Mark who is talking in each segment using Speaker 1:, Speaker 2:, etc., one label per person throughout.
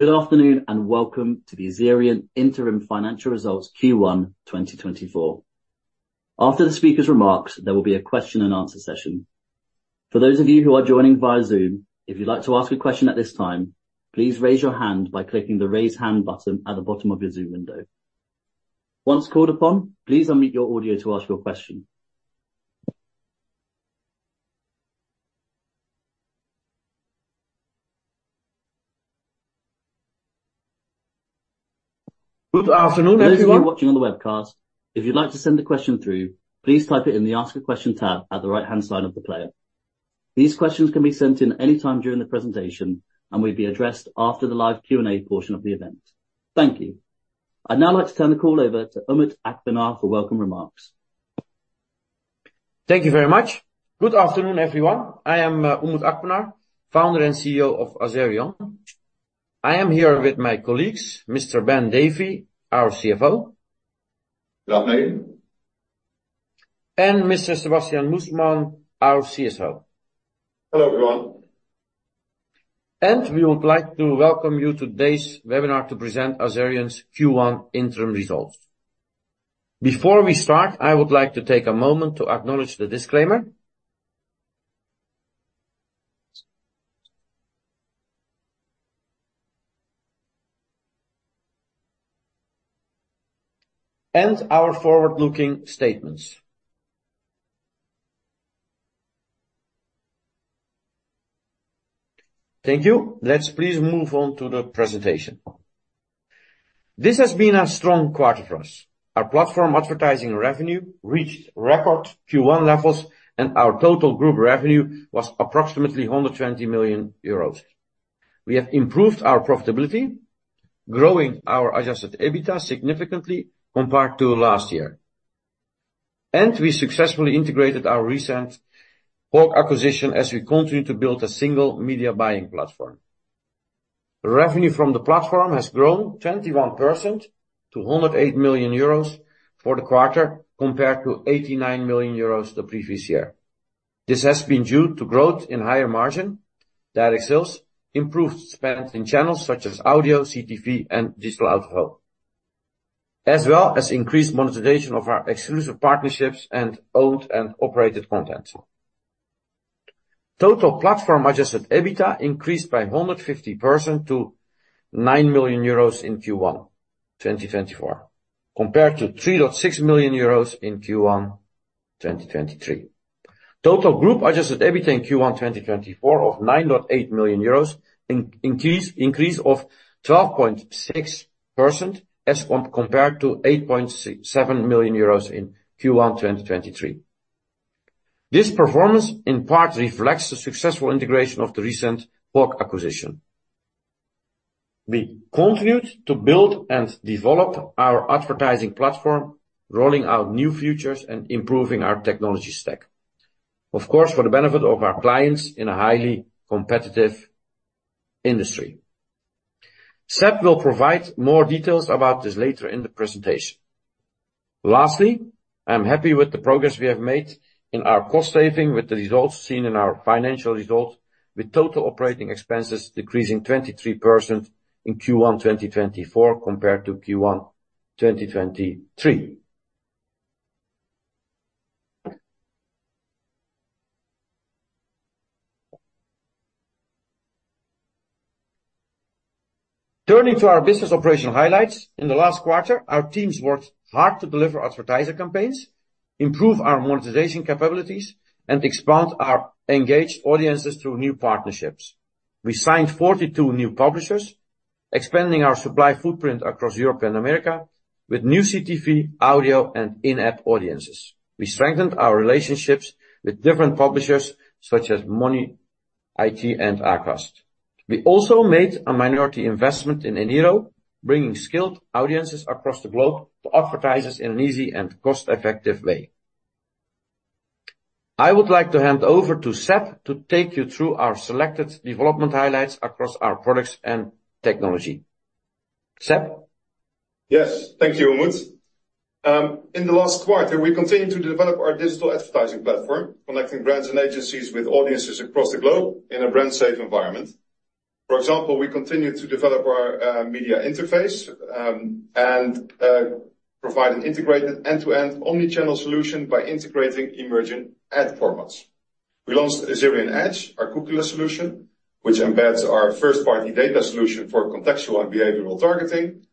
Speaker 1: Good afternoon, and Welcome to the Azerion Interim Financial Results Q1 2024. After the speaker's remarks, there will be a question-and-answer session. For those of you who are joining via Zoom, if you'd like to ask a question at this time, please raise your hand by clicking the Raise Hand button at the bottom of your Zoom window. Once called upon, please unmute your audio to ask your question.
Speaker 2: Good afternoon, everyone.
Speaker 1: For those of you watching on the webcast, if you'd like to send a question through, please type it in the Ask a Question tab at the right-hand side of the player. These questions can be sent in any time during the presentation, and will be addressed after the live Q&A portion of the event. Thank you. I'd now like to turn the call over to Umut Akpinar for welcome remarks.
Speaker 2: Thank you very much. Good afternoon, everyone. I am Umut Akpinar, Founder and CEO of Azerion. I am here with my colleagues, Mr. Ben Davey, our CFO.
Speaker 3: Good afternoon.
Speaker 2: Mr. Sebastiaan Moesman, our CSO.
Speaker 4: Hello, everyone.
Speaker 2: We would like to welcome you to today's webinar to present Azerion's Q1 interim results. Before we start, I would like to take a moment to acknowledge the disclaimer. Our forward-looking statements. Thank you. Let's please move on to the presentation. This has been a strong quarter for us. Our platform advertising revenue reached record Q1 levels, and our total group revenue was approximately 120 million euros. We have improved our profitability, growing our Adjusted EBITDA significantly compared to last year. We successfully integrated our recent Hawk acquisition as we continue to build a single media buying platform. Revenue from the platform has grown 21% to 108 million euros for the quarter, compared to 89 million euros the previous year. This has been due to growth in higher margin, direct sales, improved spend in channels such as audio, CTV, and digital out-of-home, as well as increased monetization of our exclusive partnerships and owned and operated content. Total platform adjusted EBITDA increased by 150% to 9 million euros in Q1 2024, compared to 3.6 million euros in Q1 2023. Total group adjusted EBITDA in Q1 2024 of 9.8 million euros, increase of 12.6% as compared to 7 million euros in Q1 2023. This performance in part reflects the successful integration of the recent Hawk acquisition. We continued to build and develop our advertising platform, rolling out new features and improving our technology stack, of course, for the benefit of our clients in a highly competitive industry. Seb will provide more details about this later in the presentation. Lastly, I'm happy with the progress we have made in our cost saving, with the results seen in our financial results, with total operating expenses decreasing 23% in Q1 2024 compared to Q1 2023. Turning to our business operational highlights, in the last quarter, our teams worked hard to deliver advertiser campaigns, improve our monetization capabilities, and expand our engaged audiences through new partnerships. We signed 42 new publishers, expanding our supply footprint across Europe and America with new CTV, audio, and in-app audiences. We strengthened our relationships with different publishers such as Moji, ITV, and Acast. We also made a minority investment in Eniro, bringing skilled audiences across the globe to advertisers in an easy and cost-effective way. I would like to hand over to Seb to take you through our selected development highlights across our products and technology. Seb?
Speaker 4: Yes. Thank you, Umut. In the last quarter, we continued to develop our digital advertising platform, connecting brands and agencies with audiences across the globe in a brand-safe environment. For example, we continued to develop our media interface and provide an integrated end-to-end omni-channel solution by integrating emerging ad formats. We launched Azerion Edge, our cookie-less solution, which embeds our first-party data solution for contextual and behavioral targeting.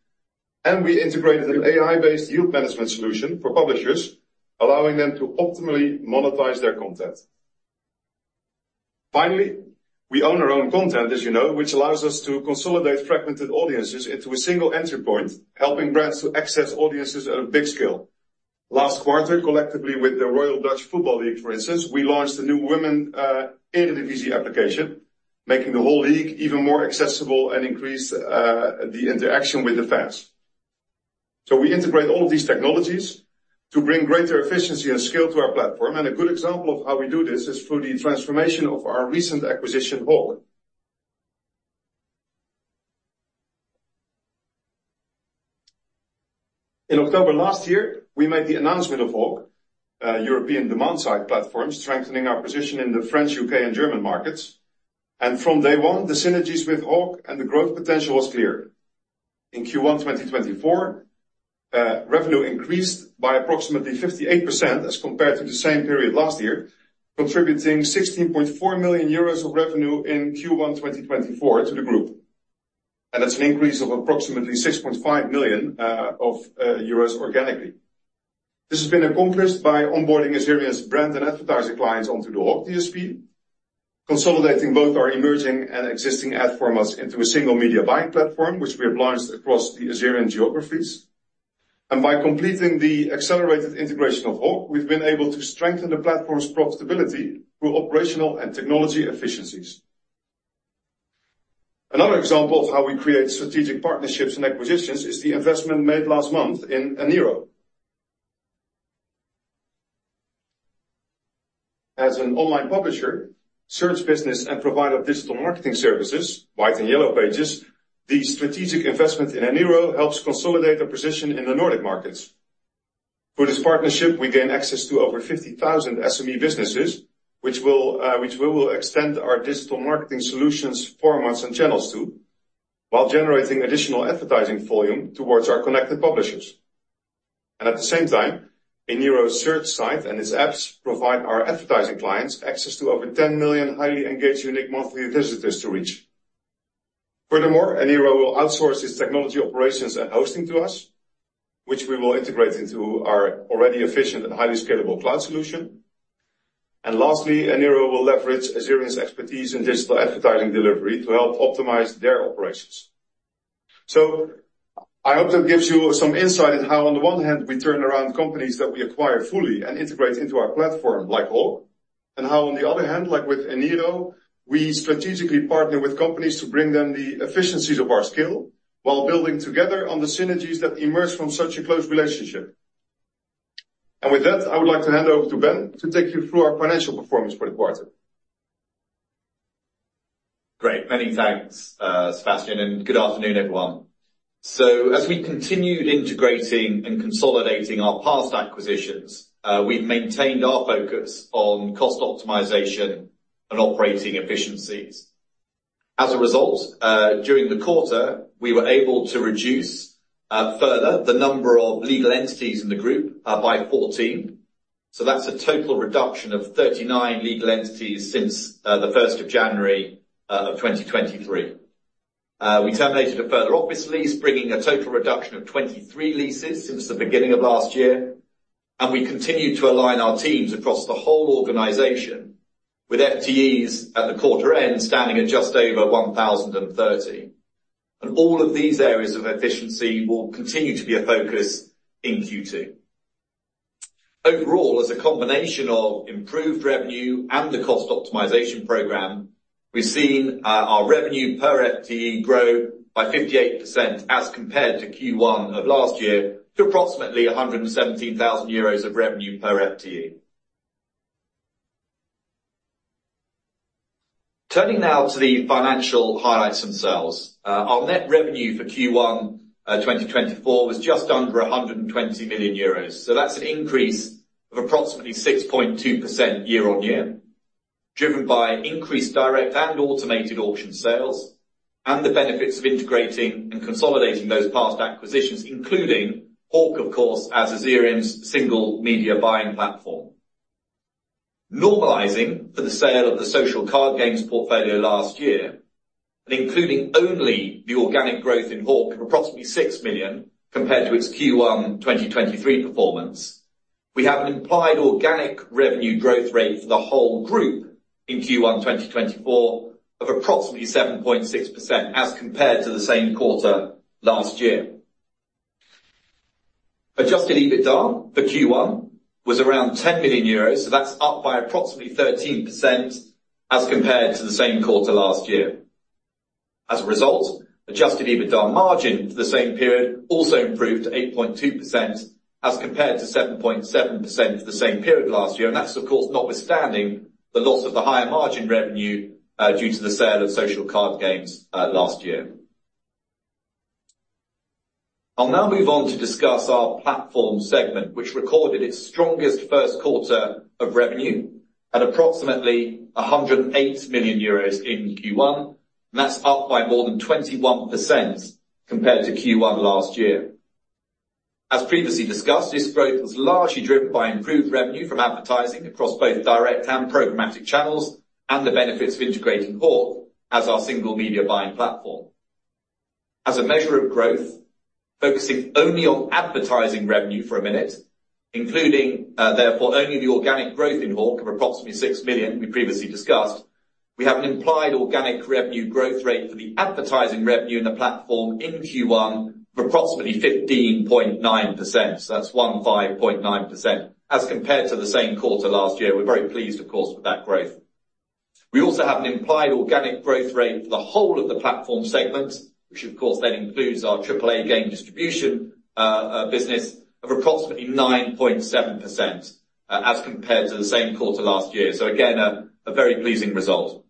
Speaker 4: We integrated an AI-based yield management solution for publishers, allowing them to optimally monetize their content. Finally, we own our own content, as you know, which allows us to consolidate fragmented audiences into a single entry point, helping brands to access audiences at a big scale. Last quarter, collectively with the Royal Dutch Football League, for instance, we launched a new Vrouwen Eredivisie application, making the whole league even more accessible and increase the interaction with the fans. So we integrate all of these technologies to bring greater efficiency and scale to our platform. And a good example of how we do this is through the transformation of our recent acquisition, Hawk. In October last year, we made the announcement of Hawk, a European demand-side platform, strengthening our position in the French, U.K., and German markets. And from day one, the synergies with Hawk and the growth potential was clear. In Q1 2024, revenue increased by approximately 58% as compared to the same period last year, contributing 16.4 million euros of revenue in Q1 2024 to the group. And that's an increase of approximately 6.5 million euros organically. This has been accomplished by onboarding Azerion's brand and advertising clients onto the Hawk DSP, consolidating both our emerging and existing ad formats into a single media buying platform, which we have launched across the Azerion geographies. And by completing the accelerated integration of Hawk, we've been able to strengthen the platform's profitability through operational and technology efficiencies. Another example of how we create strategic partnerships and acquisitions is the investment made last month in Eniro. As an online publisher, search business, and provider of digital marketing services, White and Yellow Pages, the strategic investment in Eniro helps consolidate their position in the Nordic markets. For this partnership, we gain access to over 50,000 SME businesses, which will, which we will extend our digital marketing solutions, formats, and channels to, while generating additional advertising volume towards our connected publishers. And at the same time, Eniro's search site and its apps provide our advertising clients access to over 10 million highly engaged unique monthly visitors to reach. Furthermore, Eniro will outsource its technology, operations, and hosting to us, which we will integrate into our already efficient and highly scalable cloud solution. And lastly, Eniro will leverage Azerion's expertise in digital advertising delivery to help optimize their operations. I hope that gives you some insight in how, on the one hand, we turn around companies that we acquire fully and integrate into our platform, like Hawk, and how, on the other hand, like with Eniro, we strategically partner with companies to bring them the efficiencies of our scale while building together on the synergies that emerge from such a close relationship. With that, I would like to hand over to Ben to take you through our financial performance for the quarter.
Speaker 3: Great. Many thanks, Sebastiaan, and good afternoon, everyone. So as we continued integrating and consolidating our past acquisitions, we've maintained our focus on cost optimization and operating efficiencies. As a result, during the quarter, we were able to reduce further the number of legal entities in the group by 14. So that's a total reduction of 39 legal entities since the first of January of 2023. We terminated a further office lease, bringing a total reduction of 23 leases since the beginning of last year, and we continued to align our teams across the whole organization, with FTEs at the quarter end standing at just over 1,030. And all of these areas of efficiency will continue to be a focus in Q2. Overall, as a combination of improved revenue and the cost optimization program, we've seen our revenue per FTE grow by 58% as compared to Q1 of last year, to approximately 117,000 euros of revenue per FTE. Turning now to the financial highlights themselves. Our net revenue for Q1 2024 was just under 120 million euros. So that's an increase of approximately 6.2% year-over-year, driven by increased direct and automated auction sales, and the benefits of integrating and consolidating those past acquisitions, including Hawk, of course, as Azerion's single media buying platform. Normalizing for the sale of the Social Card Games portfolio last year, and including only the organic growth in Hawk of approximately 6 million compared to its Q1 2023 performance, we have an implied organic revenue growth rate for the whole group in Q1 2024 of approximately 7.6% as compared to the same quarter last year. Adjusted EBITDA for Q1 was around 10 million euros, so that's up by approximately 13% as compared to the same quarter last year. As a result, adjusted EBITDA margin for the same period also improved to 8.2%, as compared to 7.7% for the same period last year. And that's, of course, notwithstanding the loss of the higher margin revenue due to the sale of Social Card Games last year. I'll now move on to discuss our platform segment, which recorded its strongest first quarter of revenue at approximately 108 million euros in Q1, and that's up by more than 21% compared to Q1 last year. As previously discussed, this growth was largely driven by improved revenue from advertising across both direct and programmatic channels, and the benefits of integrating Hawk as our single media buying platform. As a measure of growth, focusing only on advertising revenue for a minute, including therefore only the organic growth in Hawk of approximately 6 million we previously discussed, we have an implied organic revenue growth rate for the advertising revenue in the platform in Q1 of approximately 15.9%. So that's 15.9% as compared to the same quarter last year. We're very pleased, of course, with that growth. We also have an implied organic growth rate for the whole of the platform segment, which of course, then includes our AAA Game Distribution business of approximately 9.7%, as compared to the same quarter last year. So again, a very pleasing result.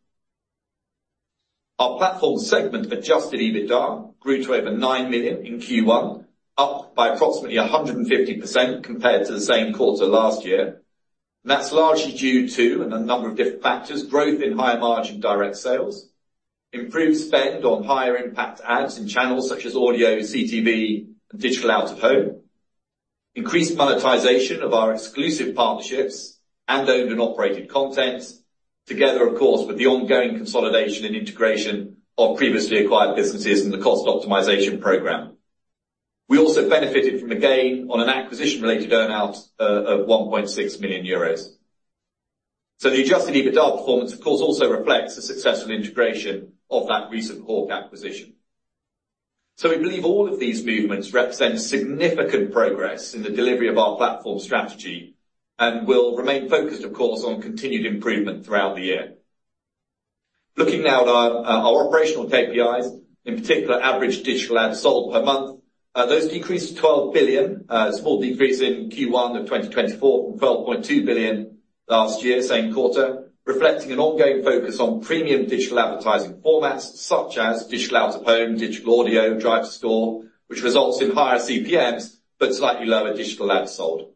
Speaker 3: Our platform segment Adjusted EBITDA grew to over 9 million in Q1, up by approximately 150% compared to the same quarter last year. And that's largely due to a number of different factors, growth in higher margin direct sales, improved spend on higher impact ads in channels such as audio, CTV, and digital out-of-home, increased monetization of our exclusive partnerships, and owned and operated content, together, of course, with the ongoing consolidation and integration of previously acquired businesses and the cost optimization program. We also benefited from a gain on an acquisition-related earn-out of 1.6 million euros. So the adjusted EBITDA performance, of course, also reflects the successful integration of that recent Hawk acquisition. So we believe all of these movements represent significant progress in the delivery of our platform strategy and will remain focused, of course, on continued improvement throughout the year. Looking now at our operational KPIs, in particular, average digital ads sold per month, those decreased to 12 billion, a small decrease in Q1 of 2024, from 12.2 billion last year, same quarter, reflecting an ongoing focus on premium digital advertising formats, such as digital out-of-home, digital audio, drive to store, which results in higher CPMs, but slightly lower digital ads sold.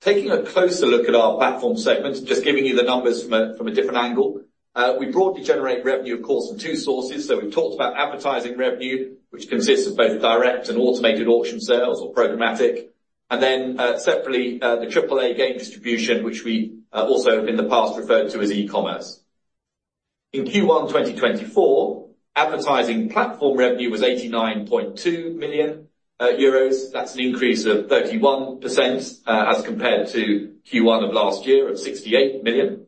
Speaker 3: Taking a closer look at our platform segment, just giving you the numbers from a different angle, we broadly generate revenue, of course, from two sources. So we've talked about advertising revenue, which consists of both direct and automated auction sales or programmatic, and then, separately, the AAA game distribution, which we also in the past referred to as e-commerce. In Q1 2024, advertising platform revenue was 89.2 million euros. That's an increase of 31% as compared to Q1 of last year of 68 million.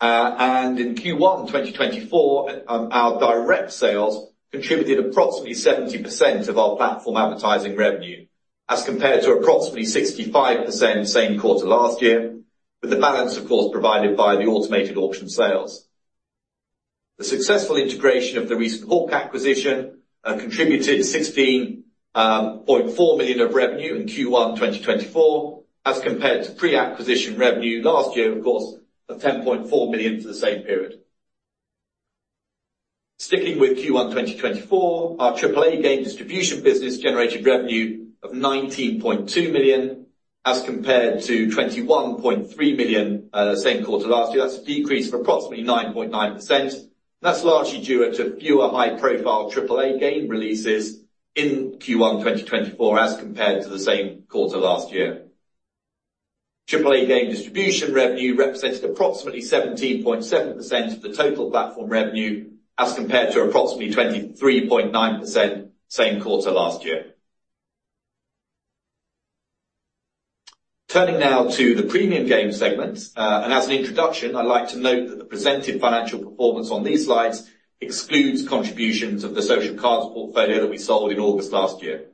Speaker 3: And in Q1 2024, our direct sales contributed approximately 70% of our platform advertising revenue, as compared to approximately 65% same quarter last year, with the balance, of course, provided by the automated auction sales. The successful integration of the recent Hawk acquisition contributed 16.4 million of revenue in Q1 2024, as compared to pre-acquisition revenue last year, of course, of 10.4 million for the same period. Sticking with Q1 2024, our AAA Game Distribution business generated revenue of 19.2 million, as compared to 21.3 million same quarter last year. That's a decrease of approximately 9.9%. That's largely due to fewer high-profile AAA game releases in Q1 2024, as compared to the same quarter last year. AAA Game Distribution revenue represented approximately 17.7% of the total platform revenue, as compared to approximately 23.9% same quarter last year. Turning now to the premium game segment, and as an introduction, I'd like to note that the presented financial performance on these slides excludes contributions of the social cards portfolio that we sold in August last year.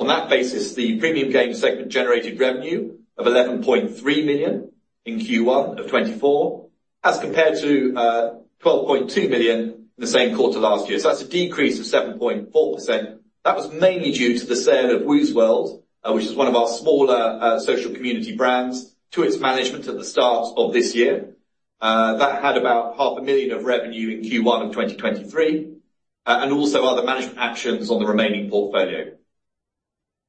Speaker 3: On that basis, the premium game segment generated revenue of 11.3 million in Q1 of 2024, as compared to 12.2 million in the same quarter last year. That's a decrease of 7.4%. That was mainly due to the sale of Woozworld, which is one of our smaller social community brands, to its management at the start of this year. That had about 500,000 of revenue in Q1 of 2023, and also other management actions on the remaining portfolio.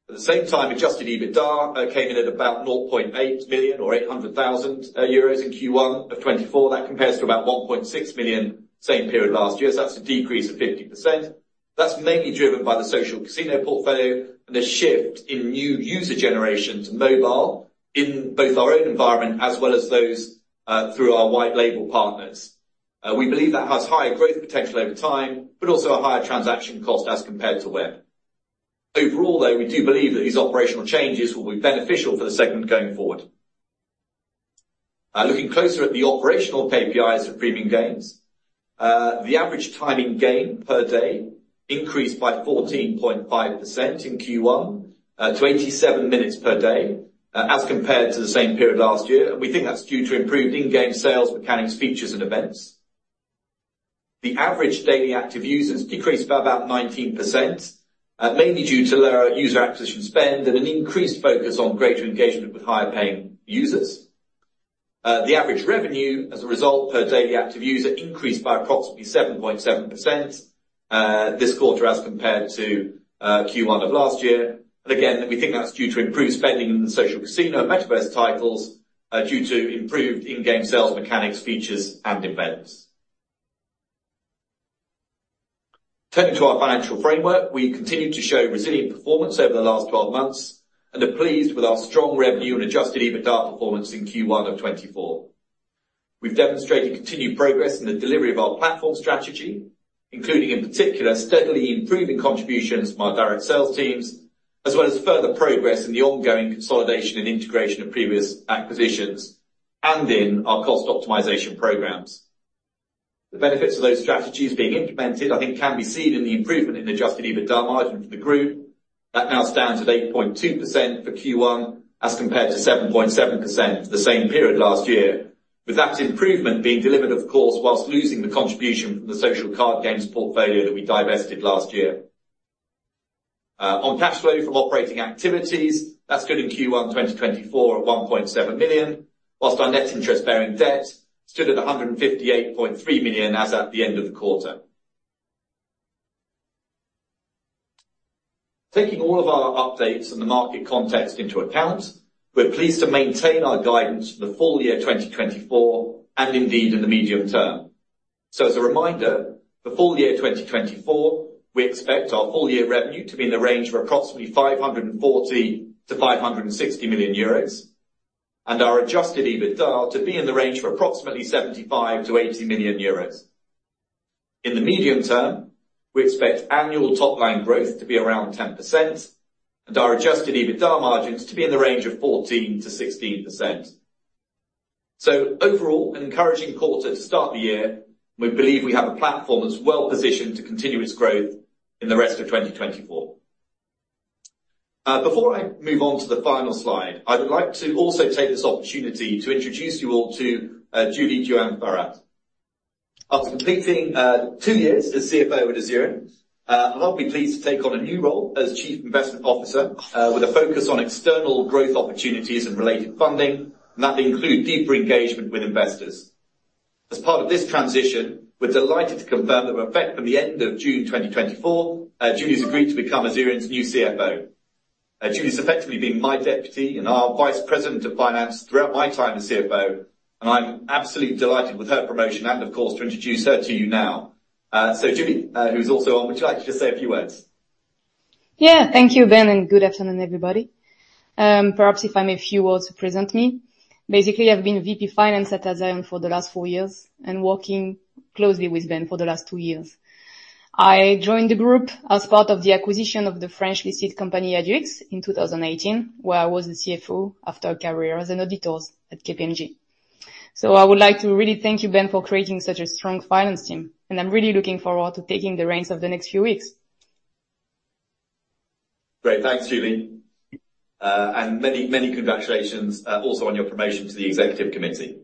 Speaker 3: At the same time, Adjusted EBITDA came in at about 0.8 million or 800,000 euros in Q1 of 2024. That compares to about 1.6 million, same period last year. So that's a decrease of 50%. That's mainly driven by the social casino portfolio and a shift in new user generation to mobile in both our own environment as well as those through our white label partners. We believe that has higher growth potential over time, but also a higher transaction cost as compared to web. Overall, though, we do believe that these operational changes will be beneficial for the segment going forward. Looking closer at the operational KPIs for Premium Games, the average time in game per day increased by 14.5% in Q1 to 87 minutes per day, as compared to the same period last year. We think that's due to improved in-game sales, mechanics, features, and events. The average daily active users decreased by about 19%, mainly due to lower user acquisition spend and an increased focus on greater engagement with higher-paying users. The average revenue, as a result, per daily active user increased by approximately 7.7% this quarter as compared to Q1 of last year. And again, we think that's due to improved spending in the social casino and Metaverse titles due to improved in-game sales, mechanics, features, and events. Turning to our financial framework, we continued to show resilient performance over the last 12 months and are pleased with our strong revenue and Adjusted EBITDA performance in Q1 of 2024. We've demonstrated continued progress in the delivery of our platform strategy, including, in particular, steadily improving contributions from our direct sales teams, as well as further progress in the ongoing consolidation and integration of previous acquisitions and in our cost optimization programs. The benefits of those strategies being implemented, I think, can be seen in the improvement in the Adjusted EBITDA margin for the group. That now stands at 8.2% for Q1, as compared to 7.7% the same period last year, with that improvement being delivered, of course, while losing the contribution from the Social Card Games portfolio that we divested last year. On cash flow from operating activities, that stood in Q1 2024 at 1.7 million, while our net interest-bearing debt stood at 158.3 million as at the end of the quarter. Taking all of our updates and the market context into account, we're pleased to maintain our guidance for the full year 2024, and indeed in the medium term. As a reminder, for full year 2024, we expect our full year revenue to be in the range of approximately 540 million-560 million euros, and our Adjusted EBITDA to be in the range of approximately 75 million-80 million euros. In the medium term, we expect annual top-line growth to be around 10% and our Adjusted EBITDA margins to be in the range of 14%-16%. So overall, an encouraging quarter to start the year. We believe we have a platform that's well-positioned to continue its growth in the rest of 2024. Before I move on to the final slide, I would like to also take this opportunity to introduce you all to Julie Duong Ferat. After completing 2 years as CFO at Azerion, I'll be pleased to take on a new role as Chief Investment Officer, with a focus on external growth opportunities and related funding, and that include deeper engagement with investors. As part of this transition, we're delighted to confirm that with effect from the end of June 2024, Julie has agreed to become Azerion's new CFO. Julie's effectively been my deputy and our Vice President of Finance throughout my time as CFO, and I'm absolutely delighted with her promotion and, of course, to introduce her to you now. So Julie, who's also on, would you like to just say a few words?
Speaker 5: Yeah. Thank you, Ben, and good afternoon, everybody. Perhaps if I may, a few words to present me. Basically, I've been VP Finance at Azerion for the last 4 years and working closely with Ben for the last 2 years. I joined the group as part of the acquisition of the French listed company, AdUX, in 2018, where I was the CFO after a career as an auditor at KPMG. So I would like to really thank you, Ben, for creating such a strong finance team, and I'm really looking forward to taking the reins over the next few weeks.
Speaker 3: Great. Thanks, Julie. And many, many congratulations also on your promotion to the executive committee.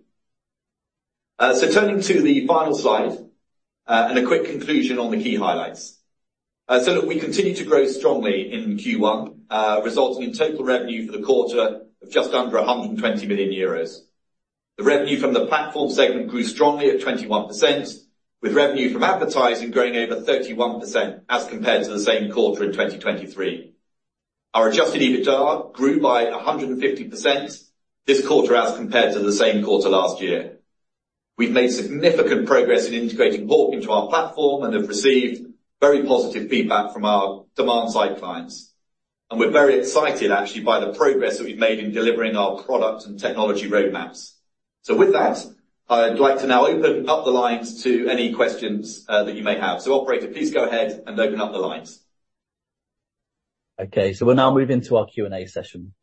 Speaker 3: So turning to the final slide, and a quick conclusion on the key highlights. So look, we continue to grow strongly in Q1, resulting in total revenue for the quarter of just under 120 million euros. The revenue from the platform segment grew strongly at 21%, with revenue from advertising growing over 31% as compared to the same quarter in 2023. Our Adjusted EBITDA grew by 150% this quarter as compared to the same quarter last year. We've made significant progress in integrating Hawk into our platform and have received very positive feedback from our demand-side clients, and we're very excited actually by the progress that we've made in delivering our product and technology roadmaps. So with that, I'd like to now open up the lines to any questions, that you may have. So, operator, please go ahead and open up the lines.
Speaker 1: Okay, so we'll now move into our Q&A session.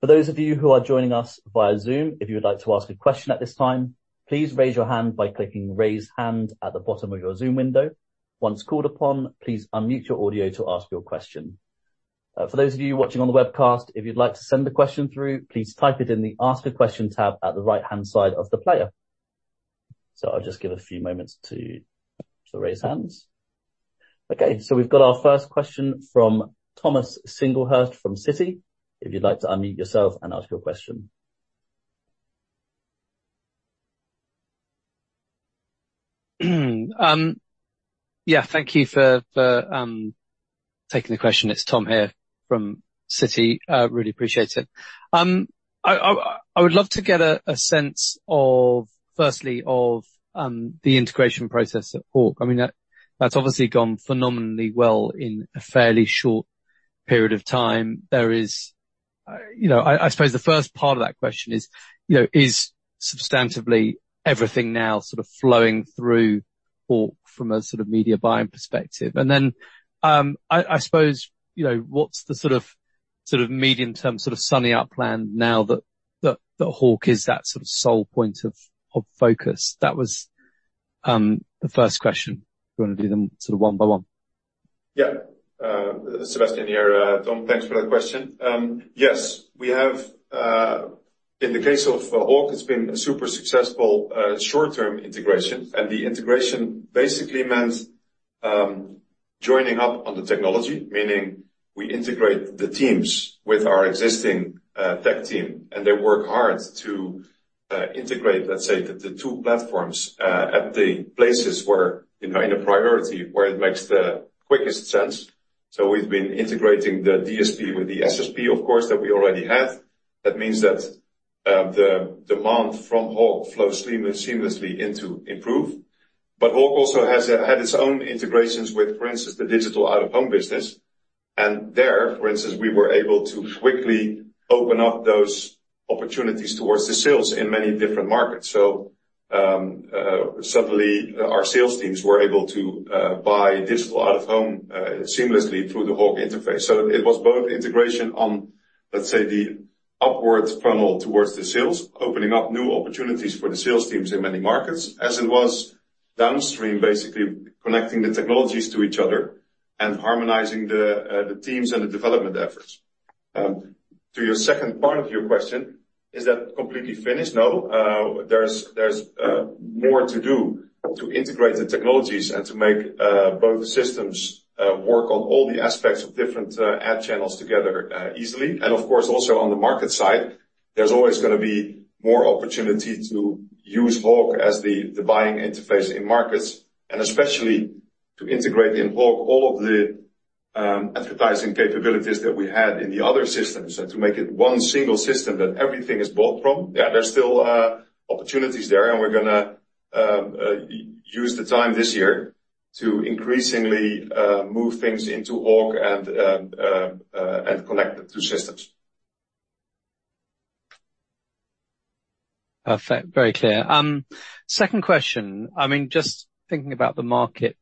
Speaker 1: For those of you who are joining us via Zoom, if you would like to ask a question at this time, please raise your hand by clicking Raise Hand at the bottom of your Zoom window. Once called upon, please unmute your audio to ask your question. For those of you watching on the webcast, if you'd like to send a question through, please type it in the Ask a Question tab at the right-hand side of the player. So I'll just give a few moments to raise hands. Okay, so we've got our first question from Thomas Singlehurst from Citi. If you'd like to unmute yourself and ask your question.
Speaker 6: Yeah, thank you for taking the question. It's Tom here from Citi. Really appreciate it. I would love to get a sense of, firstly, the integration process at Hawk. I mean, that's obviously gone phenomenally well in a fairly short period of time. There is... You know, I suppose the first part of that question is, you know, is substantively everything now sort of flowing through Hawk from a sort of media buying perspective? And then, I suppose, you know, what's the sort of medium-term, sort of sum-up plan now that Hawk is that sort of sole point of focus? That was the first question. If you want to do them sort of one by one.
Speaker 4: Yeah. Sebastiaan here. Tom, thanks for that question. Yes, we have... In the case of Hawk, it's been a super successful short-term integration, and the integration basically meant joining up on the technology, meaning we integrate the teams with our existing tech team, and they work hard to integrate, let's say, the two platforms at the places where, you know, in a priority, where it makes the quickest sense. So we've been integrating the DSP with the SSP, of course, that we already have. That means that the demand from Hawk flows seamlessly into Improve. But Hawk also has had its own integrations with, for instance, the digital out-of-home business, and there, for instance, we were able to quickly open up those opportunities towards the sales in many different markets. So, suddenly, our sales teams were able to buy digital out-of-home seamlessly through the Hawk interface. So it was both integration on, let's say, the upwards funnel towards the sales, opening up new opportunities for the sales teams in many markets, as it was downstream, basically connecting the technologies to each other and harmonizing the teams and the development efforts. To your second part of your question, is that completely finished? No. There's more to do to integrate the technologies and to make both systems work on all the aspects of different ad channels together easily. Of course, also on the market side, there's always gonna be more opportunity to use Hawk as the buying interface in markets, and especially to integrate in Hawk all of the advertising capabilities that we had in the other systems, and to make it one single system that everything is bought from. Yeah, there's still opportunities there, and we're gonna use the time this year to increasingly move things into Hawk and connect the two systems.
Speaker 6: Perfect. Very clear. Second question. I mean, just thinking about the market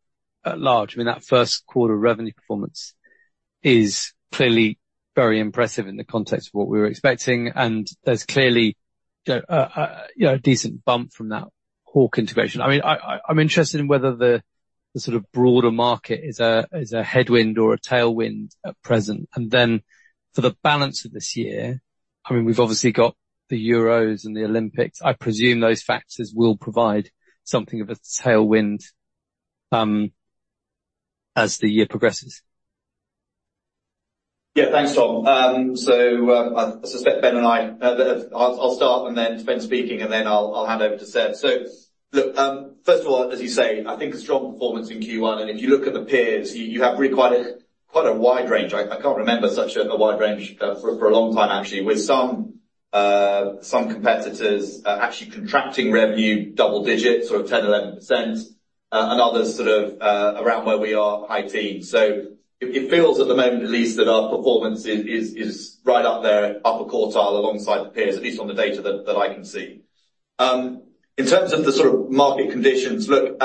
Speaker 6: at large, I mean, that first quarter revenue performance is clearly very impressive in the context of what we were expecting, and there's clearly, you know, a decent bump from that Hawk integration. I mean, I'm interested in whether the sort of broader market is a headwind or a tailwind at present. And then for the balance of this year, I mean, we've obviously got the Euros and the Olympics. I presume those factors will provide something of a tailwind, as the year progresses.
Speaker 3: Yeah. Thanks, Tom. [inaudible] and I... I'll start, and then Ben speaking, and then I'll hand over to Seb. So look, first of all, as you say, I think a strong performance in Q1, and if you look at the peers, you have really quite a wide range. I can't remember such a wide range for a long time, actually, with some competitors actually contracting revenue double digits or 10, 11%, and others sort of around where we are, high teens. So it feels at the moment, at least, that our performance is right up there, upper quartile alongside the peers, at least on the data that I can see. In terms of the sort of market conditions, look,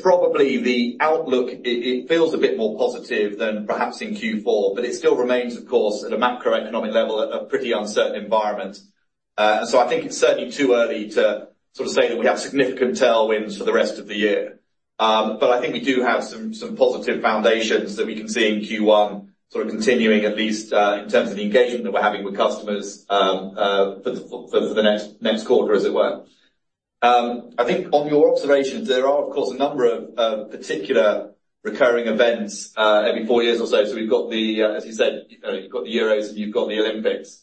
Speaker 3: probably the outlook, it feels a bit more positive than perhaps in Q4, but it still remains, of course, at a macroeconomic level, a pretty uncertain environment. So I think it's certainly too early to sort of say that we have significant tailwinds for the rest of the year. But I think we do have some positive foundations that we can see in Q1, sort of continuing, at least, in terms of the engagement that we're having with customers, for the next quarter, as it were. I think on your observations, there are, of course, a number of particular recurring events, every four years or so. So we've got the, as you said, you know, you've got the Euros, and you've got the Olympics.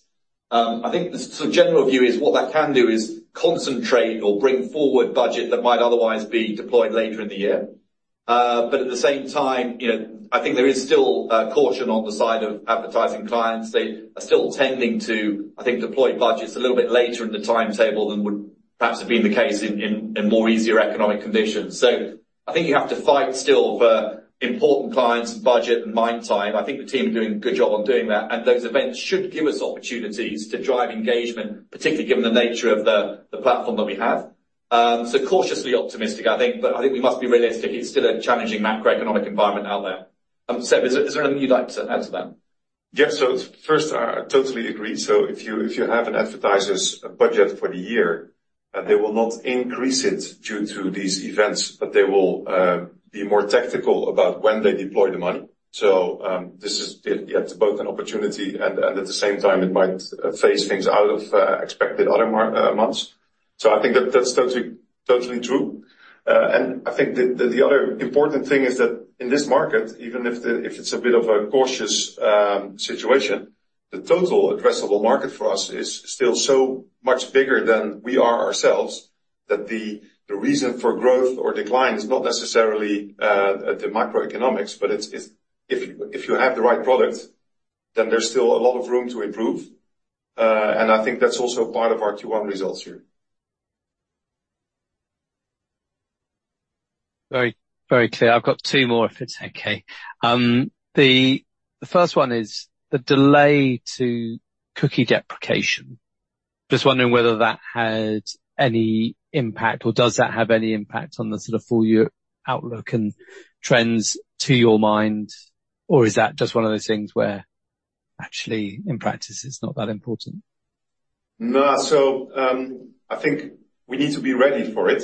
Speaker 3: I think the sort of general view is what that can do is concentrate or bring forward budget that might otherwise be deployed later in the year. But at the same time, you know, I think there is still caution on the side of advertising clients. They are still tending to, I think, deploy budgets a little bit later in the timetable than would perhaps have been the case in more easier economic conditions. So I think you have to fight still for important clients, budget, and mindshare. I think the team are doing a good job on doing that, and those events should give us opportunities to drive engagement, particularly given the nature of the platform that we have. So cautiously optimistic, I think, but I think we must be realistic. It's still a challenging macroeconomic environment out there. Seb, is there anything you'd like to add to that?
Speaker 4: Yeah, so first, I, I totally agree. So if you, if you have an advertiser's budget for the year, they will not increase it due to these events, but they will be more tactical about when they deploy the money. So this is, yeah, it's both an opportunity, and at the same time, it might phase things out of expected other mar- months. So I think that that's totally, totally true. And I think the other important thing is that in this market, even if it's a bit of a cautious situation, the total addressable market for us is still so much bigger than we are ourselves, that the reason for growth or decline is not necessarily the microeconomics, but it's, it's...If you have the right product, then there's still a lot of room to improve, and I think that's also part of our Q1 results here.
Speaker 6: Very, very clear. I've got two more, if it's okay. The first one is the delay to cookie deprecation. Just wondering whether that had any impact, or does that have any impact on the sort of full year outlook and trends to your mind, or is that just one of those things where actually, in practice, it's not that important?
Speaker 4: No. So, I think we need to be ready for it.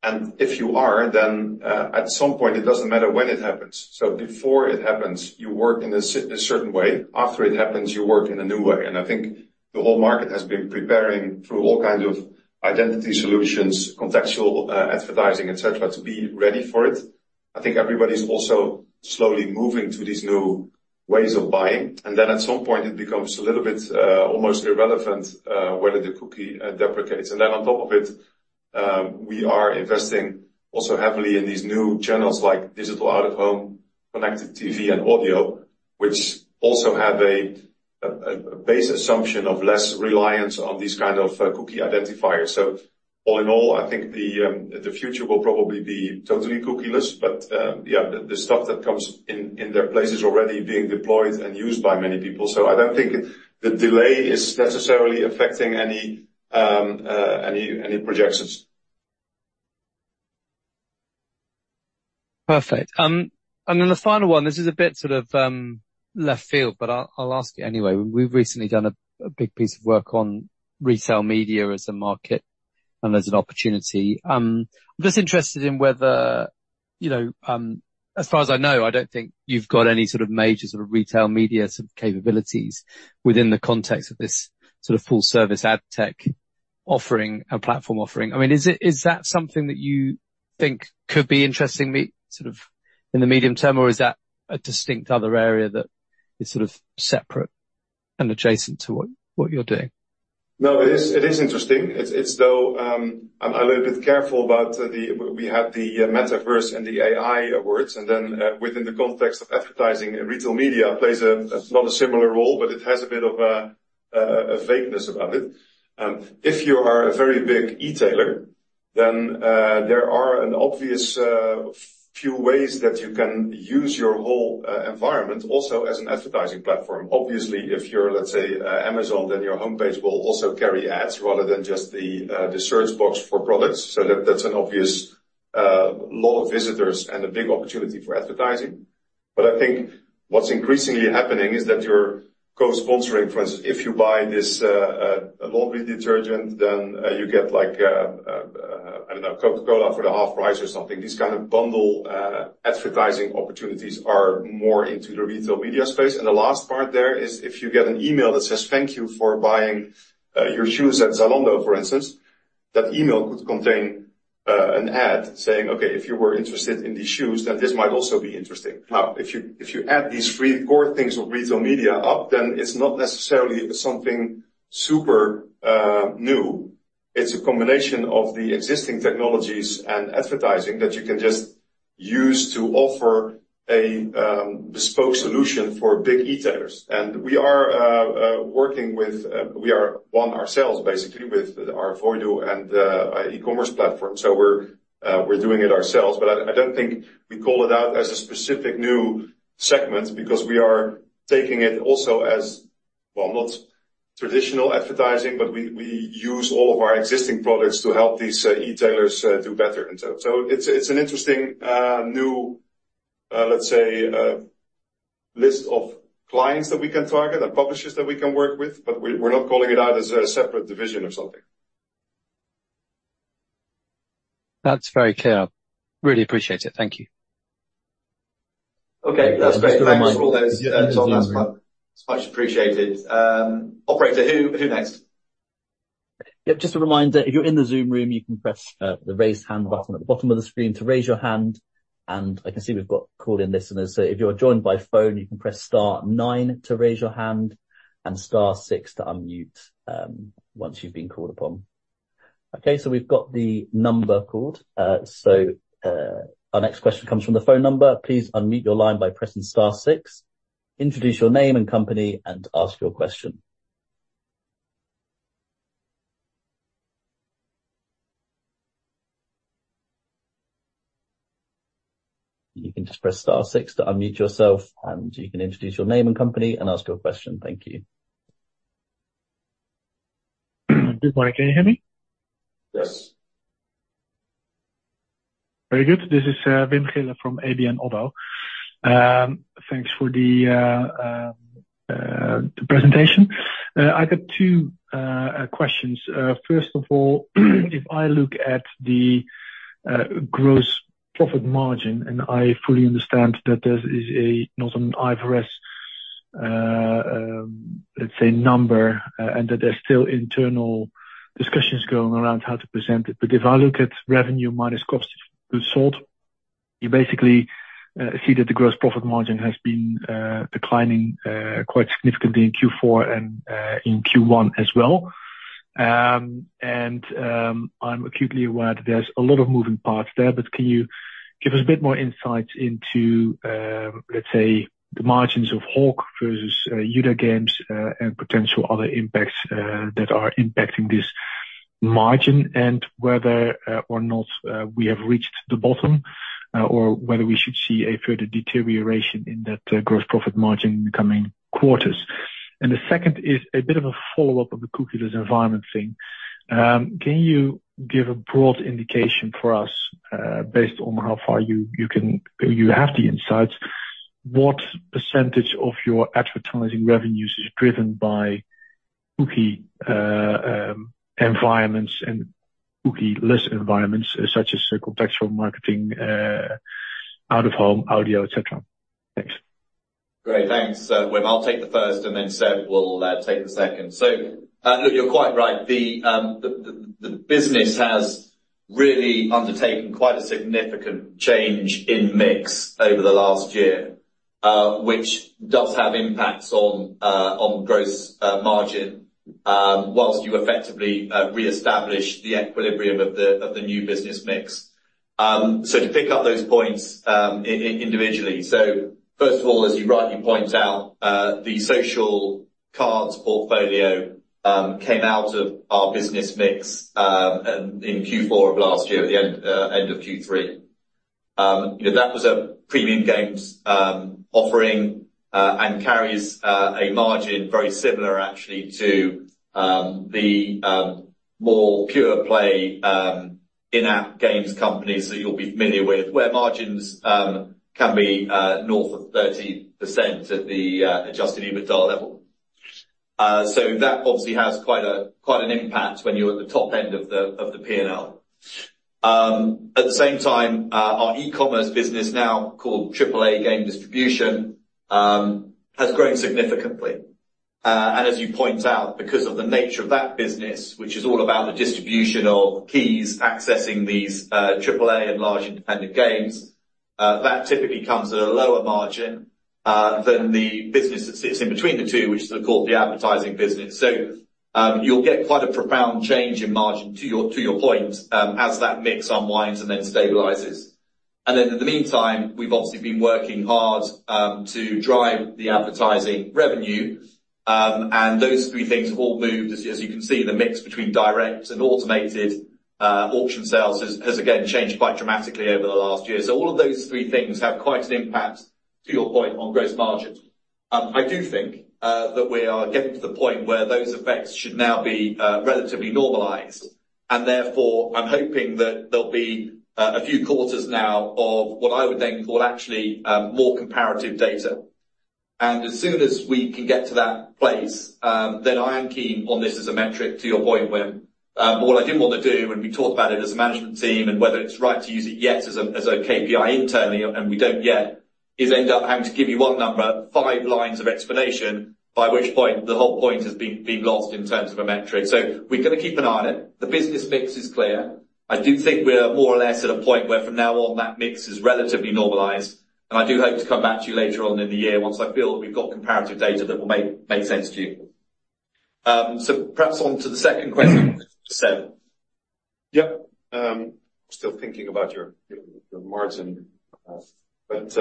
Speaker 4: And if you are, then, at some point, it doesn't matter when it happens. So before it happens, you work in a certain way. After it happens, you work in a new way, and I think the whole market has been preparing through all kinds of identity solutions, contextual advertising, et cetera, to be ready for it. I think everybody's also slowly moving to these new ways of buying, and then at some point, it becomes a little bit, almost irrelevant, whether the cookie deprecates. And then on top of it, we are investing also heavily in these new channels, like digital out-of-home, connected TV, and audio, which also have a base assumption of less reliance on these kind of cookie identifiers. So all in all, I think the future will probably be totally cookie-less, but yeah, the stuff that comes in their place is already being deployed and used by many people. So I don't think the delay is necessarily affecting any projections.
Speaker 6: Perfect. And then the final one, this is a bit sort of left field, but I'll ask it anyway. We've recently done a big piece of work on retail media as a market...and there's an opportunity. I'm just interested in whether, you know, as far as I know, I don't think you've got any sort of major sort of retail media sort of capabilities within the context of this sort of full-service ad tech offering and platform offering. I mean, is it-- is that something that you think could be interestingly sort of in the medium term, or is that a distinct other area that is sort of separate and adjacent to what you're doing?
Speaker 4: No, it is, it is interesting. It's, it's though, I'm a little bit careful about the – we have the, metaverse and the AI awards, and then, within the context of advertising and retail media plays a, not a similar role, but it has a bit of a vagueness about it. If you are a very big e-tailer, then, there are an obvious, few ways that you can use your whole, environment also as an advertising platform. Obviously, if you're, let's say, Amazon, then your homepage will also carry ads rather than just the, the search box for products. So that, that's an obvious, lot of visitors and a big opportunity for advertising. But I think what's increasingly happening is that you're co-sponsoring, for instance, if you buy this laundry detergent, then you get like I don't know, Coca-Cola for the half price or something. These kind of bundle advertising opportunities are more into the retail media space. The last part there is, if you get an email that says, "Thank you for buying your shoes at Zalando," for instance, that email could contain an ad saying, "Okay, if you were interested in these shoes, then this might also be interesting." Now, if you add these three core things of retail media up, then it's not necessarily something super new. It's a combination of the existing technologies and advertising that you can just use to offer a bespoke solution for big e-tailers. And we are working with, we are one ourselves, basically with our Voidu and e-commerce platform, so we're doing it ourselves. But I don't think we call it out as a specific new segment because we are taking it also as, well, not traditional advertising, but we use all of our existing products to help these e-tailers do better. And so it's an interesting new, let's say, list of clients that we can target and publishers that we can work with, but we're not calling it out as a separate division or something.
Speaker 6: That's very clear. Really appreciate it. Thank you.
Speaker 4: Okay, that's great.
Speaker 3: Thanks for all those, Tom. That's much, much appreciated. Operator, who next?
Speaker 1: Yep, just a reminder, if you're in the Zoom room, you can press the Raise Hand button at the bottom of the screen to raise your hand, and I can see we've got call-in listeners. So if you're joined by phone, you can press star nine to raise your hand and star six to unmute once you've been called upon. Okay, so we've got the number called. Our next question comes from the phone number. Please unmute your line by pressing star six. Introduce your name and company, and ask your question. You can just press star six to unmute yourself, and you can introduce your name and company and ask your question. Thank you.
Speaker 7: Good morning. Can you hear me?
Speaker 4: Yes.
Speaker 7: Very good. This is Wim Gille from ABN AMRO. Thanks for the presentation. I got two questions. First of all, if I look at the gross profit margin, and I fully understand that there is a not an IFRS let's say number, and that there's still internal discussions going around how to present it, but if I look at revenue minus cost of goods sold, you basically see that the gross profit margin has been declining quite significantly in Q4 and in Q1 as well. And I'm acutely aware that there's a lot of moving parts there, but can you give us a bit more insight into, let's say, the margins of Hawk versus Youda Games, and potential other impacts that are impacting this margin, and whether or not we have reached the bottom or whether we should see a further deterioration in that gross profit margin in the coming quarters? And the second is a bit of a follow-up on the cookieless environment thing. Can you give a broad indication for us, based on how far you have the insights, what percentage of your advertising revenues is driven by cookie environments and cookieless environments, such as contextual marketing, out-of-home, audio, et cetera? Thanks.
Speaker 3: Great, thanks, Wim. I'll take the first, and then Seb will take the second. So, look, you're quite right. The business has really undertaken quite a significant change in mix over the last year, which does have impacts on gross margin, while you effectively reestablish the equilibrium of the new business mix. So to pick up those points individually. So first of all, as you rightly point out, the Social Card Games portfolio came out of our business mix in Q4 of last year, at the end of Q3. You know, that was a Premium Games offering, and carries a margin very similar actually to the more pure play,... in-app games companies that you'll be familiar with, where margins can be north of 30% at the Adjusted EBITDA level. So that obviously has quite a, quite an impact when you're at the top end of the of the P&L. At the same time, our e-commerce business, now called AAA Game Distribution, has grown significantly. And as you point out, because of the nature of that business, which is all about the distribution of keys, accessing these AAA and large independent games, that typically comes at a lower margin than the business that sits in between the two, which is called the advertising business. So, you'll get quite a profound change in margin, to your, to your point, as that mix unwinds and then stabilizes. Then in the meantime, we've obviously been working hard, to drive the advertising revenue, and those three things have all moved. As you, as you can see, the mix between direct and automated, auction sales has, has again, changed quite dramatically over the last year. So all of those three things have quite an impact, to your point, on gross margins. I do think, that we are getting to the point where those effects should now be, relatively normalized, and therefore, I'm hoping that there'll be, a few quarters now of what I would then call actually, more comparative data. And as soon as we can get to that place, then I am keen on this as a metric, to your point, Wim. But what I didn't want to do, and we talked about it as a management team, and whether it's right to use it yet as a KPI internally, and we don't yet, is end up having to give you one number, five lines of explanation, by which point the whole point has been lost in terms of a metric. So we're gonna keep an eye on it. The business mix is clear. I do think we are more or less at a point where from now on, that mix is relatively normalized, and I do hope to come back to you later on in the year once I feel that we've got comparative data that will make sense to you. So perhaps on to the second question, Seb.
Speaker 4: Yep. Still thinking about your margin. But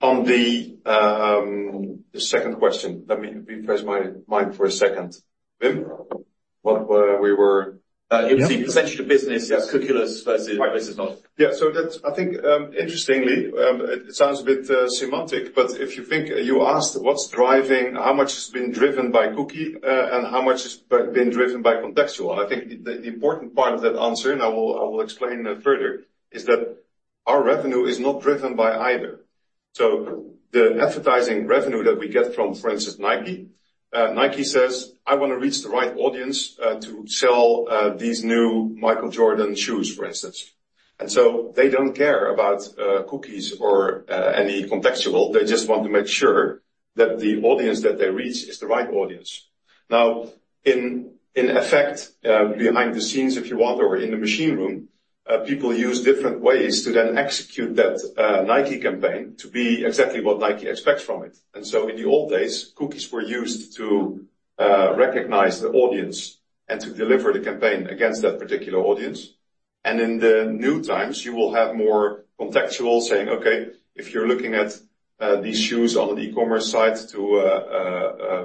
Speaker 4: on the second question, let me refresh my mind for a second. Wim, what were we-
Speaker 3: It was essentially the business, cookie-less versus not.
Speaker 4: Yeah. So that's, I think, interestingly, it sounds a bit, semantic, but if you think, you asked what's driving... How much has been driven by cookie, and how much has been driven by contextual? I think the, the important part of that answer, and I will, I will explain it further, is that our revenue is not driven by either. So the advertising revenue that we get from, for instance, Nike, Nike says: "I want to reach the right audience, to sell, these new Michael Jordan shoes," for instance. And so they don't care about, cookies or, any contextual. They just want to make sure that the audience that they reach is the right audience. Now, in effect, behind the scenes, if you want, or in the machine room, people use different ways to then execute that Nike campaign to be exactly what Nike expects from it. And so in the old days, cookies were used to recognize the audience and to deliver the campaign against that particular audience. And in the new times, you will have more contextual, saying, "Okay, if you're looking at these shoes on an e-commerce site," to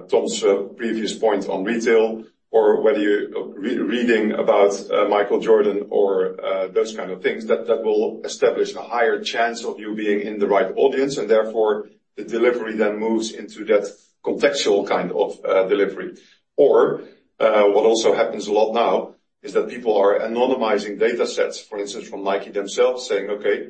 Speaker 4: Tom's previous point on retail, or whether you're re-reading about Michael Jordan or those kind of things, that will establish a higher chance of you being in the right audience, and therefore, the delivery then moves into that contextual kind of delivery. Or, what also happens a lot now is that people are anonymizing datasets, for instance, from Nike themselves, saying, "Okay,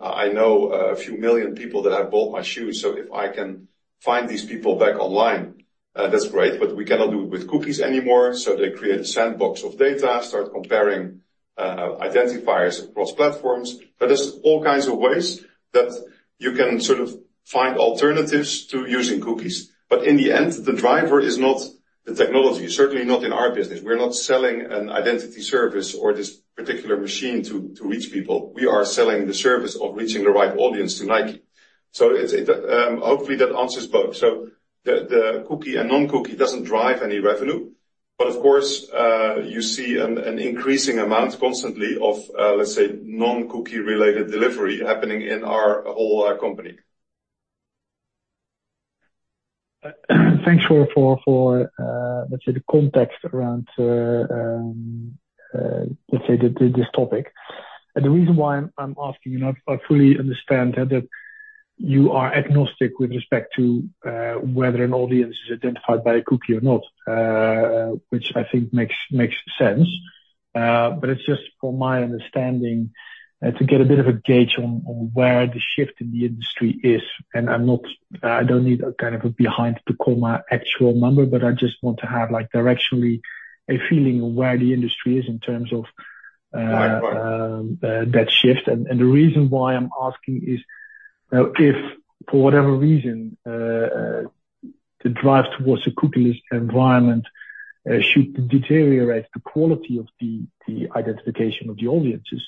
Speaker 4: I know a few million people that have bought my shoes, so if I can find these people back online, that's great," but we cannot do it with cookies anymore. So they create a sandbox of data, start comparing, identifiers across platforms. But there's all kinds of ways that you can sort of find alternatives to using cookies. But in the end, the driver is not the technology, certainly not in our business. We're not selling an identity service or this particular machine to, to reach people. We are selling the service of reaching the right audience to Nike. So it's, it... Hopefully, that answers both. So the cookie and non-cookie doesn't drive any revenue, but of course, you see an increasing amount constantly of, let's say, non-cookie-related delivery happening in our whole company.
Speaker 7: Thanks for let's say the context around let's say this topic. And the reason why I'm asking you, and I fully understand that you are agnostic with respect to whether an audience is identified by a cookie or not, which I think makes sense. But it's just for my understanding to get a bit of a gauge on where the shift in the industry is, and I'm not- I don't need a kind of a behind the comma actual number, but I just want to have, like, directionally a feeling of where the industry is in terms of
Speaker 4: Right.
Speaker 7: that shift. And the reason why I'm asking is, if for whatever reason, the drive towards a cookieless environment should deteriorate the quality of the identification of the audiences,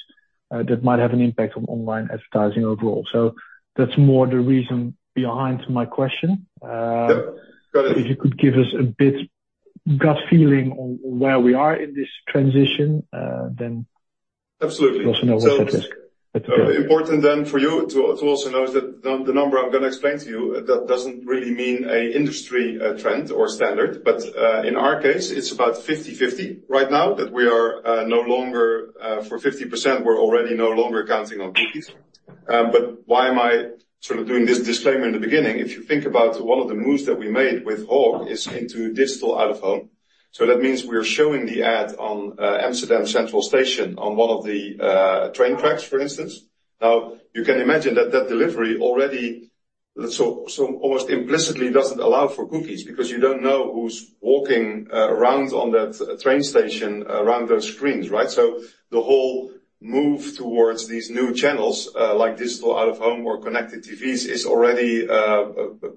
Speaker 7: that might have an impact on online advertising overall. So that's more the reason behind my question.
Speaker 4: Yep, got it.
Speaker 7: If you could give us a bit gut feeling on where we are in this transition, then-
Speaker 4: Absolutely.
Speaker 7: Also know what's at risk.
Speaker 4: Important then for you to also know is that the number I'm gonna explain to you doesn't really mean an industry trend or standard, but in our case, it's about 50/50 right now, that we are no longer for 50%, we're already no longer counting on cookies. But why am I sort of doing this disclaimer in the beginning? If you think about one of the moves that we made with Hawk is into digital out of home. So that means we are showing the ad on Amsterdam Central Station on one of the train tracks, for instance. Now, you can imagine that that delivery already, so almost implicitly doesn't allow for cookies, because you don't know who's walking around on that train station around those screens, right? So the whole move towards these new channels, like digital out of home or connected TVs, is already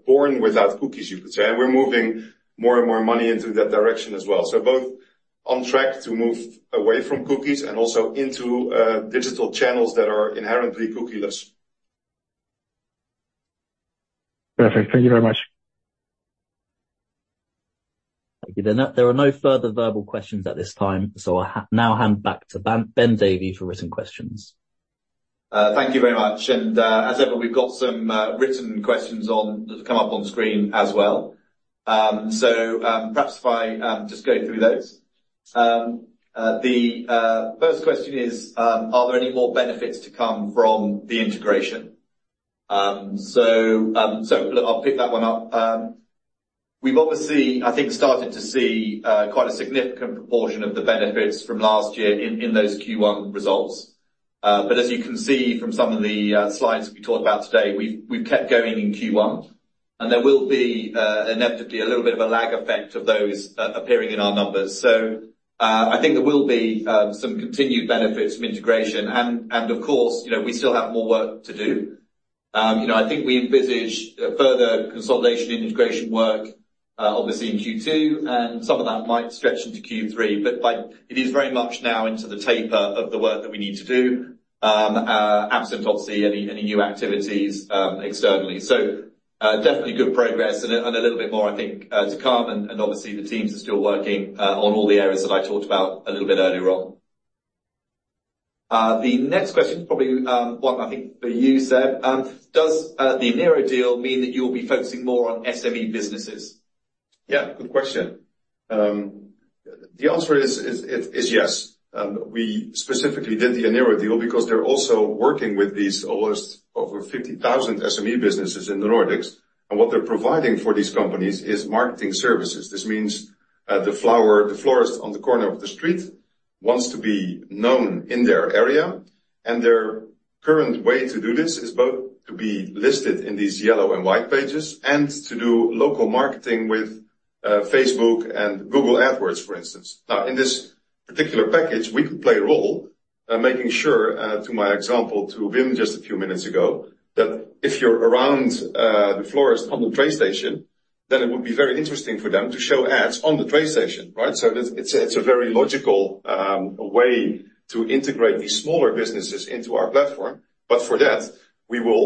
Speaker 4: born without cookies, you could say. And we're moving more and more money into that direction as well. So both on track to move away from cookies and also into digital channels that are inherently cookie-less.
Speaker 7: Perfect. Thank you very much.
Speaker 1: Thank you. There are no, there are no further verbal questions at this time, so I now hand back to Ben Davey for written questions.
Speaker 3: Thank you very much. And, as ever, we've got some written questions on that have come up on screen as well. So, perhaps if I just go through those. The first question is: Are there any more benefits to come from the integration? So, so look, I'll pick that one up. We've obviously, I think, started to see quite a significant proportion of the benefits from last year in those Q1 results. But as you can see from some of the slides we talked about today, we've kept going in Q1, and there will be inevitably a little bit of a lag effect of those appearing in our numbers. So, I think there will be some continued benefits from integration, and, and of course, you know, we still have more work to do. You know, I think we envisage further consolidation and integration work, obviously in Q2, and some of that might stretch into Q3, but, like, it is very much now into the taper of the work that we need to do, absent, obviously, any, any new activities, externally. So, definitely good progress and a, and a little bit more, I think, to come, and, and obviously, the teams are still working on all the areas that I talked about a little bit earlier on. The next question, probably, one I think for you, Seb. Does the Eniro deal mean that you'll be focusing more on SME businesses?
Speaker 4: Yeah, good question. The answer is yes. We specifically did the Eniro deal because they're also working with these almost over 50,000 SME businesses in the Nordics, and what they're providing for these companies is marketing services. This means the florist on the corner of the street wants to be known in their area, and their current way to do this is both to be listed in these yellow and white pages and to do local marketing with Facebook and Google AdWords, for instance. Now, in this particular package, we could play a role making sure, to my example, to Wim, just a few minutes ago, that if you're around the florist on the train station, then it would be very interesting for them to show ads on the train station, right? So it's, it's a very logical way to integrate these smaller businesses into our platform. But for that, we will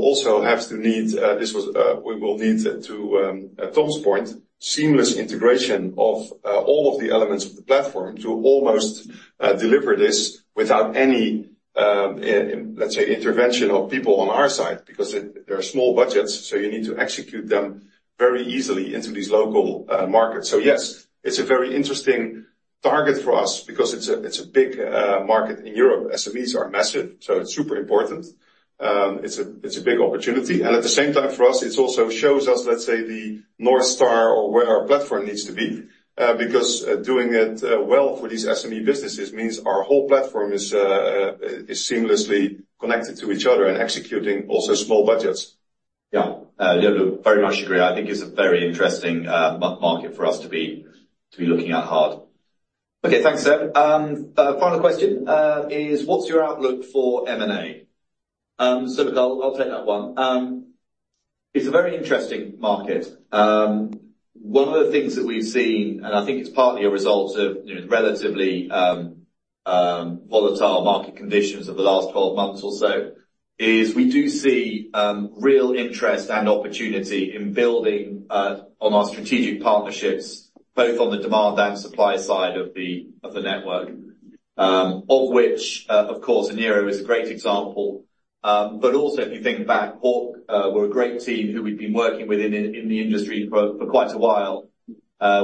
Speaker 4: need to, at Tom's point, seamless integration of all of the elements of the platform to almost deliver this without any, let's say, intervention of people on our side, because they're small budgets, so you need to execute them very easily into these local markets. So yes, it's a very interesting target for us because it's a, it's a big market in Europe. SMEs are massive, so it's super important. It's a big opportunity, and at the same time for us, it also shows us, let's say, the North Star or where our platform needs to be, because doing it well for these SME businesses means our whole platform is seamlessly connected to each other and executing also small budgets.
Speaker 3: Yeah. Yeah, look, very much agree. I think it's a very interesting market for us to be looking at hard. Okay, thanks, Seb. Final question is: What's your outlook for M&A? So look, I'll take that one. It's a very interesting market. One of the things that we've seen, and I think it's partly a result of, you know, relatively volatile market conditions of the last 12 months or so, is we do see real interest and opportunity in building on our strategic partnerships, both on the demand and supply side of the network, of which, of course, Eniro is a great example. But also, if you think back, Hawk were a great team who we've been working with in the industry for quite a while.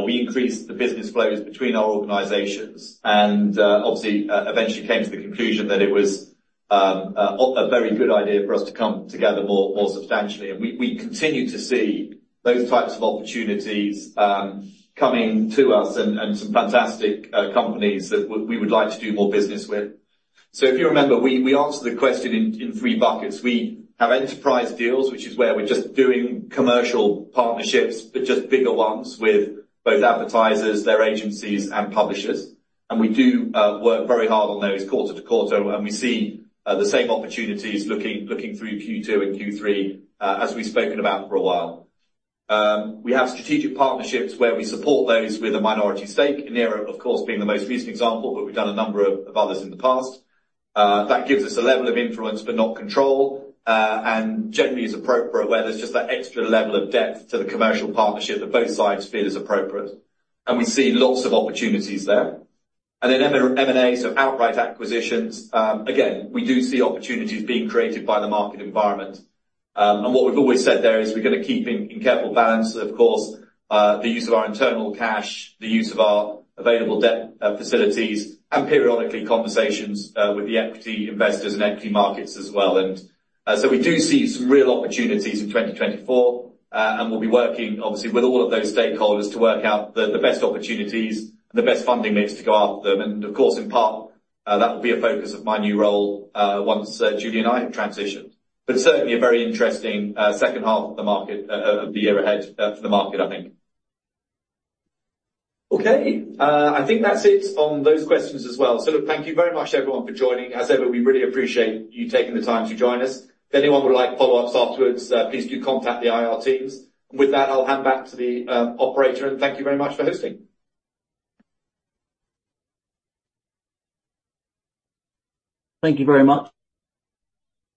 Speaker 3: We increased the business flows between our organizations and, obviously, eventually came to the conclusion that it was a very good idea for us to come together more substantially. We continue to see those types of opportunities coming to us and some fantastic companies that we would like to do more business with. If you remember, we answered the question in three buckets. We have enterprise deals, which is where we're just doing commercial partnerships, but just bigger ones with both advertisers, their agencies, and publishers. We do work very hard on those quarter to quarter, and we see the same opportunities looking through Q2 and Q3 as we've spoken about for a while. We have strategic partnerships where we support those with a minority stake, Eniro, of course, being the most recent example, but we've done a number of others in the past. That gives us a level of influence, but not control, and generally is appropriate where there's just that extra level of depth to the commercial partnership that both sides feel is appropriate. We see lots of opportunities there. Then M&A, so outright acquisitions, again, we do see opportunities being created by the market environment. What we've always said there is we're gonna keep in careful balance, of course, the use of our internal cash, the use of our available debt facilities, and periodically, conversations with the equity investors and equity markets as well. And, so we do see some real opportunities in 2024, and we'll be working obviously with all of those stakeholders to work out the, the best opportunities and the best funding mix to go after them. And of course, in part, that will be a focus of my new role, once Julie and I have transitioned. But certainly a very interesting, second half of the market, of the year ahead, for the market, I think. Okay, I think that's it on those questions as well. So look, thank you very much, everyone, for joining. As ever, we really appreciate you taking the time to join us. If anyone would like follow-ups afterwards, please do contact the IR teams. With that, I'll hand back to the, operator, and thank you very much for hosting.
Speaker 1: Thank you very much.